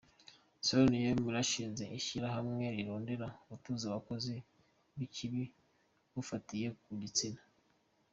Soo-yeon yarashinze ishirahamwe rirondera gutuza ubukozi bw'ikibi bufatiye ku gitsina.